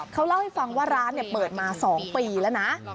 เขาเล่าให้ฟังว่าร้านเปิดมา๒ปีแล้วนะ